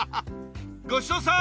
ごちそうさん！